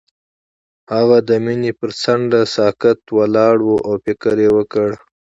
هغه د مینه پر څنډه ساکت ولاړ او فکر وکړ.